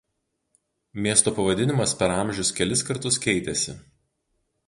Miesto pavadinimas per amžius kelis kartus keitėsi.